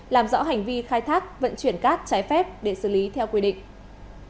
làm rõ hành vi khai thác vận chuyển cát trái phép để xử lý theo quy định